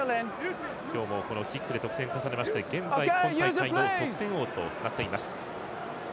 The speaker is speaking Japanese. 今日もキックで得点を重ねまして現在、今大会の得点王となっています。